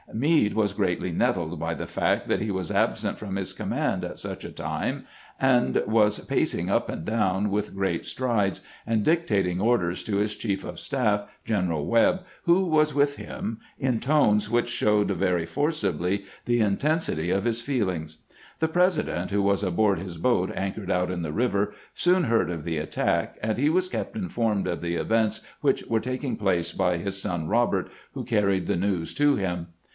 Meade was greatly nettled by the fact that he was absent from his command at such a time, and was pacing up and down with great strides, and dictat ing orders to his chief of staff, General "Webb, who was with him, in tones which showed very forcibly the in tensity of his feelings. The President, who was aboard his boat anchored out in the river, soon heard of the attack, and he was kept informed of the events which were taking place by his son Robert, who carried the news to him.